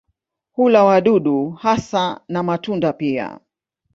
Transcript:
Hula wadudu hasa na matunda pia.